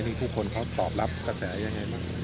ที่ผู้คนเขาตอบรับกันแต่อย่างไรบ้าง